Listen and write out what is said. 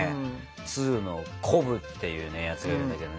２のコブっていうやつがいるんだけどね